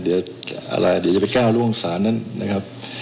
เดี๋ยวจะไปก้าวร่วงศาลนั้นนะครับ